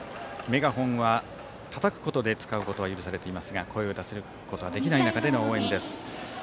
メガホンは、たたくことで使うことは許されていますが声を出すことはできない中での応援です。